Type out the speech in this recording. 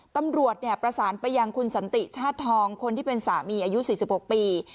ตำรวจประสานไปยังคุณสันติชาติทองคนที่เป็นสามีอายุ๔๖ปี